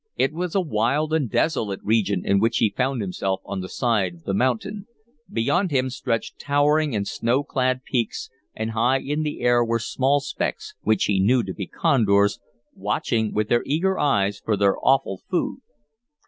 It was a wild and desolate region in which he found himself on the side of the mountain. Beyond him stretched towering and snow clad peaks, and high in the air were small specks, which he knew to be condors, watching with their eager eyes for their offal food.